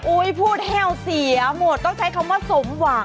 พูดแห้วเสียหมดต้องใช้คำว่าสมหวัง